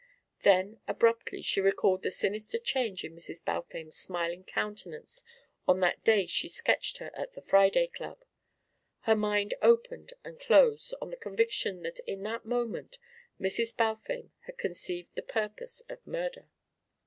Then abruptly she recalled the sinister change in Mrs. Balfame's smiling countenance on that day she sketched her at the Friday Club; her mind opened and closed on the conviction that in that moment Mrs. Balfame had conceived the purpose of murder.